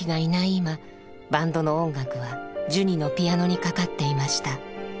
今バンドの音楽はジュニのピアノにかかっていました。